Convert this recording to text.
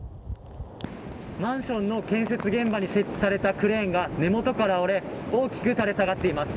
マンションの建設現場に設置されたクレーンが根元から折れ大きく垂れ下がっています。